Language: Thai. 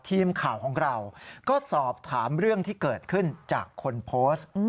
ทีมข่าวของเราก็สอบถามเรื่องที่เกิดขึ้นจากคนโพสต์